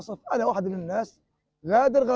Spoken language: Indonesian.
saya menjaga mereka